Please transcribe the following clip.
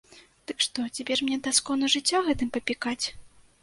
Дык што, цяпер мяне да скону жыцця гэтым папікаць?